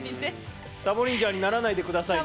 サボリンジャーにならないで下さいね。